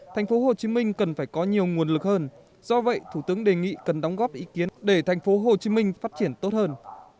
thành phố hồ chí minh cần phải có nhiều nguồn lực hơn do vậy thủ tướng đề nghị cần đóng góp ý kiến để thành phố hồ chí minh phát triển tốt hơn